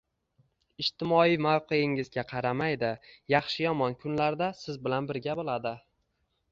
ijtimoiy mavqeingizga qaramaydi, yaxshi-yomon kunlarda siz bilan birga bo‘ladi